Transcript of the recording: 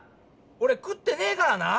おれ食ってねえからな！